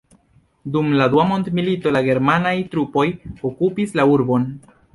Dum la Dua Mondmilito la germanaj trupoj okupis la urbon.